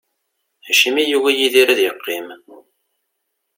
Acimi yugi ad Yidir ad yeqqim?